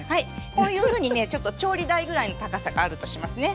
こういうふうにねちょっと調理台ぐらいの高さがあるとしますね。